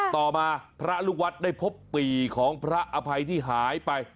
ต่อมาพระลูกวัดได้พบปีของพระอภัยที่หายไป